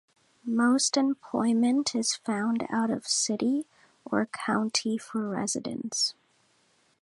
Most employment is found out of city or county for residents.